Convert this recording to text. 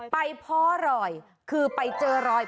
เพาะรอยคือไปเจอรอย